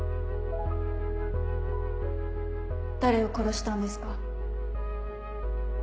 誰を殺したんですか？